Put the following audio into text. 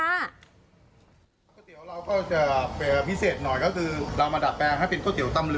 ก๋วยเตี๋ยวเราก็จะพิเศษหน่อยก็คือเรามาดัดแปลงให้เป็นก๋วตำลึ